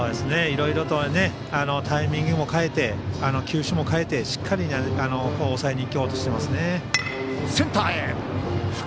いろいろとタイミングも変えて球種も変えて、しっかり抑えにいこうとしてますね。